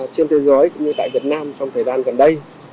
trên thế giới cũng như tại việt nam trong thời gian gần đây